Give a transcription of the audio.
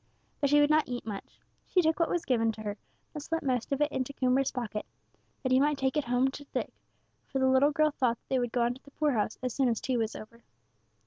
But she would not eat much. She took what was given to her, but slipped most of it into Coomber's pocket, that he might take it home to Dick, for the little girl thought they would go on to the poorhouse as soon as tea was over.